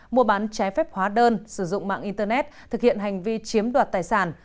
mua bán trái phép hóa đơn sử dụng mạng internet thực hiện hành vi chiếm đoạt tài sản